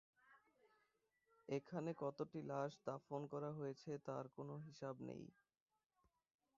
এখানে কতটি লাশ দাফন করা হয়েছে তার কোনো হিসাব নেই।